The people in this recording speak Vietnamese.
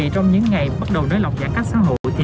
trong những ngày bắt đầu nới lỏng giãn cách xã hội